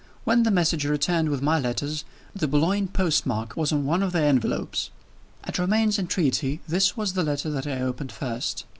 When the messenger returned with my letters, the Boulogne postmark was on one of the envelopes. At Romayne's entreaty, this was the letter that I opened first.